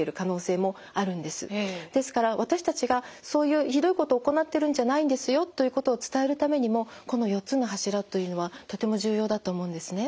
ですから私たちがそういうひどいことを行ってるんじゃないんですよということを伝えるためにもこの４つの柱というのはとても重要だと思うんですね。